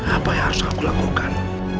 apa yang harus aku lakukan